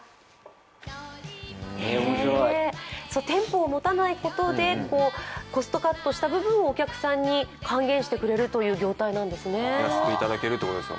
店舗を持たないことでコストカットした分をお客さんに還元してくれるという業態なんですね。